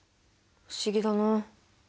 不思議だなあ。